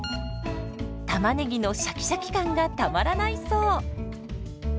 たまねぎのシャキシャキ感がたまらないそう。